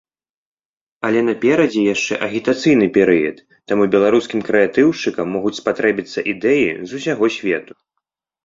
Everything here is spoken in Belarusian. Але наперадзе яшчэ агітацыйны перыяд, таму беларускім крэатыўшчыкам могуць спатрэбіцца ідэі з усяго свету.